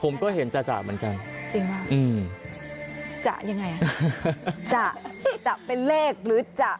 ผมก็เห็นจ่ะเหมือนกันจริงป่ะอืมจะยังไงอ่ะจะจะเป็นเลขหรือจะ